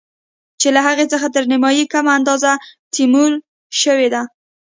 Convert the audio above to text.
چې له هغې څخه تر نيمايي کمه اندازه تمويل شوې ده.